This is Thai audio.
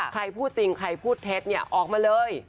ใครพูดจริงใครพูดเท็จเนี่ยออกมาเลย